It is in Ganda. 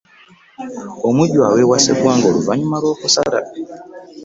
Omujjwa aweebwa sseggwanga oluvanyuma lw'okusala.